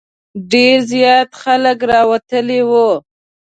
ډېر زیات خلک راوتلي وو.